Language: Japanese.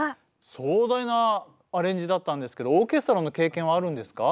壮大なアレンジだったんですけどオーケストラの経験はあるんですか？